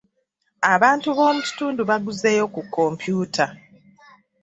Abantu b'omu kitundu baaguzeyo ku kompyuta.